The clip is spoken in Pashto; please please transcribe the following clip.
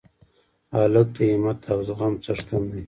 هلک د همت او زغم څښتن دی.